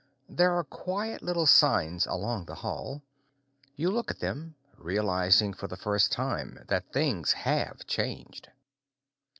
There are quiet little signs along the hall. You look at them, realizing for the first time that things have changed.